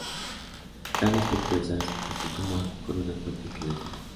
Dan aspecto de estar escritas con pluma, con una fuerte inclinación.